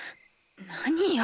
何よ？